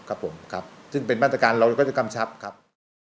ครับซึ่งเป็นบริการเราก็จะกำชับขอบคุณครับ